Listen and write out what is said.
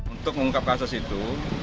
untuk mengungkap kasus itu